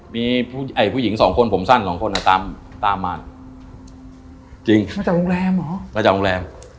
มีไอ้ผู้หญิงสองคนผมสั้น๒คนน่ะตามมา